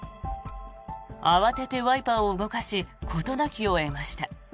慌ててワイパーを動かし事なきを得ました。